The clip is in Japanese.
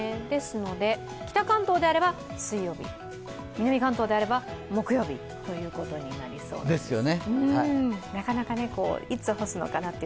ですので、北関東であれば水曜日、南関東であれば、木曜日ということになりそうです。